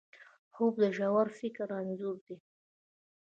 خوب د ژور فکر انځور دی